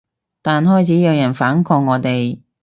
但開始有人反抗我哋